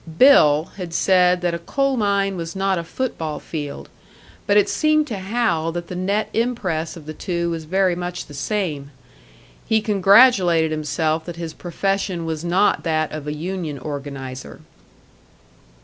"Bill" had said that a coal mine was not a foot ball field, but it seemed to Hal that the net impress of the two was very much the same. He congratulated himself that his profession was not that of a union organiser.